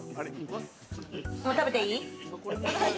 もう食べていい？